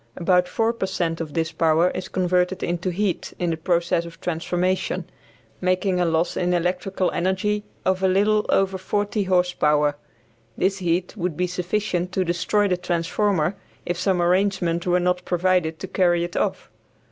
About 4 per cent of this power is converted into heat in the process of transformation, making a loss in electrical energy of a little over 40 horse power. This heat would be sufficient to destroy the transformer if some arrangement were not provided to carry it off.